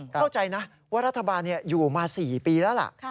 เข้าใจนะว่ารัฐบาลอยู่มา๔ปีแล้วล่ะ